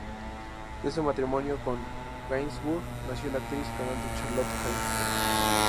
De ese matrimonio con Gainsbourg, nació la actriz y cantante Charlotte Gainsbourg.